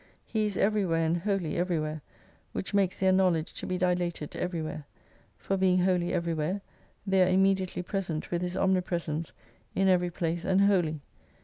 He is everywhere and wholly everywhere : which makes their knowledge to be dilated every where. For being wholly everyzvhere, they are ijnmediately present with His omnipresence in every place and wholly.